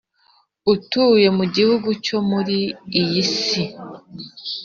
Utuye mu gihugu cyo muri iyi si